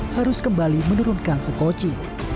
harus kembali menurunkan sekoci